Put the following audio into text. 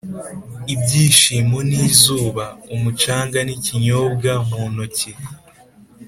ibyishimo ni izuba, umucanga, n'ikinyobwa mu ntoki.